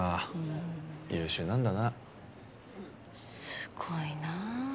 すごいなあ。